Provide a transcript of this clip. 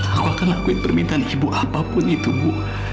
aku akan lakuin permintaan ibu apapun itu bu